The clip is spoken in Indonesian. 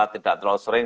tidak terlalu sering